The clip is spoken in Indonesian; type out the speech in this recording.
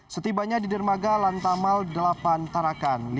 setibanya di dermaga lantamal delapan tarakan